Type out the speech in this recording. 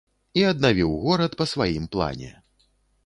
І аднавіў горад па сваім плане.